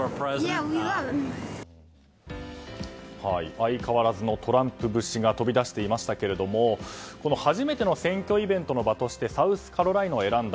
相変わらずのトランプ節が飛び出していましたけども初めての選挙イベントの場としてサウスカロライナを選んだ。